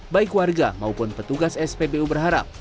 baik warga maupun petugas spbu berharap